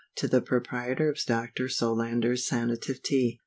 To the Proprietor of Dr. Solander's SANATIVE TEA.